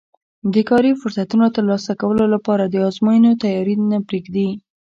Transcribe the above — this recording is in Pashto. د کاري فرصتونو ترلاسه کولو لپاره د ازموینو تیاري ته نه پرېږدي